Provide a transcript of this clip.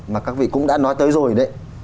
mà các vị cũng đã nói tới rồi đấy